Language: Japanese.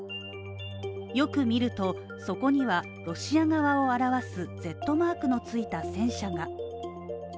よく見ると、そこにはロシア側を表すＺマークのついた戦車が。